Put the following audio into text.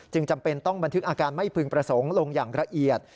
จำเป็นต้องบันทึกอาการไม่พึงประสงค์ลงอย่างละเอียด